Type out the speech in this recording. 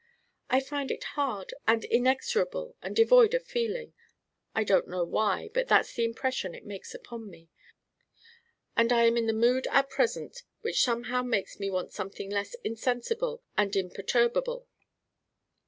"I find it hard and inexorable and devoid of feeling. I don't know why, but that's the impression it makes upon me. And I am in a mood at present which somehow makes me want something less insensible and imperturbable."